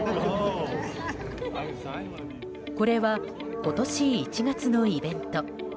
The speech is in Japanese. これは、今年１月のイベント。